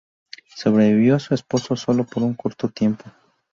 Sobrevivió a su esposo solo por un corto tiempo.